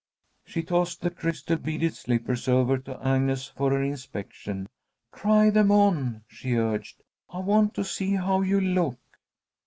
She tossed the crystal beaded slippers over to Agnes for her inspection. "Try them on," she urged. "I want to see how you'll look."